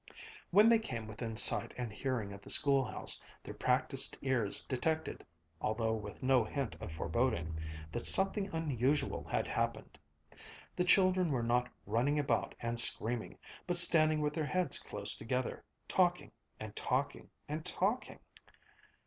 When they came within sight and hearing of the schoolhouse, their practised ears detected (although with no hint of foreboding) that something unusual had happened. The children were not running about and screaming, but standing with their heads close together, talking, and talking, and talking.